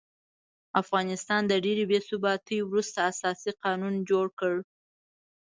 افغانستان د ډېرې بې ثباتۍ وروسته اساسي قانون جوړ کړ.